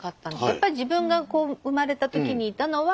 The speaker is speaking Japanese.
やっぱり自分が生まれた時にいたのはおばあちゃん。